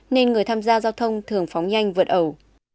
nên người tham gia giao thông thường phóng nhanh vượt ẩu